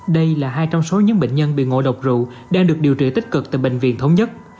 đây là hai trong số những bệnh nhân bị ngộ độc rượu đang được điều trị tích cực tại bệnh viện thống nhất